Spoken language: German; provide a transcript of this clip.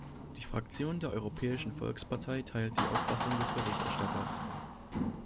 Die Fraktion der Europäischen Volkspartei teilt die Auffassung des Berichterstatters.